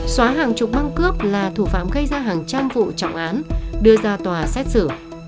xóa hàng chục băng cướp là thủ phạm gây ra hàng trăm vụ trọng án đưa ra tòa xét xử